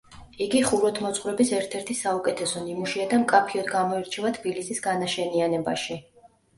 იგი ხუროთმოძღვრების ერთ-ერთი საუკეთესო ნიმუშია და მკაფიოდ გამოირჩევა თბილისის განაშენიანებაში.